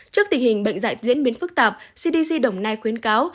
trước tình hình bệnh dạy diễn biến phức tạp cdc đồng nai khuyến cáo